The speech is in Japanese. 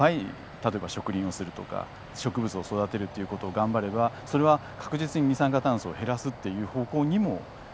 例えば植林をするとか植物を育てるっていう事を頑張ればそれは確実に二酸化炭素を減らすという方向にもできる。